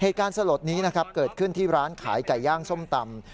สลดนี้นะครับเกิดขึ้นที่ร้านขายไก่ย่างส้มตำ